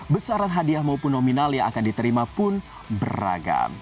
besaran hadiah maupun nominal yang akan diterima pun beragam